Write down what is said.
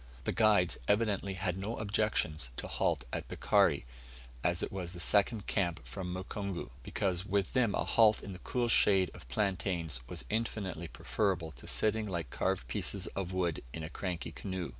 The guides evidently had no objections to halt at Bikari, as it was the second camp from Mukungu; because with them a halt in the cool shade of plaintains was infinitely preferable to sitting like carved pieces of wood in a cranky canoe.